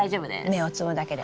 芽を摘むだけで。